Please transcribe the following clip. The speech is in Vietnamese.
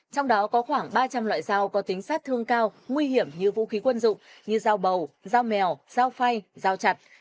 trong đó có khoảng ba trăm linh loại dao có tính sát thương cao nguy hiểm như vũ khí quân dụng như dao bầu dao mèo dao phay dao chặt